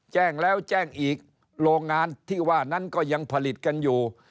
แจ้งแล้วแจ้งอีกโรงงานที่ว่านั้นก็ยังผลิตกันอยู่